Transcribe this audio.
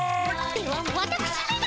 ではわたくしめが。